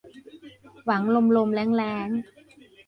หวังลมลมแล้งแล้ง